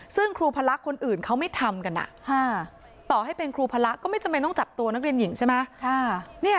ซึ่งครูพระคนอื่นเขาไม่ทำกันต่อให้เป็นครูพระก็ไม่จำเป็นต้องจับตัวนักเรียนหญิงใช่ไหม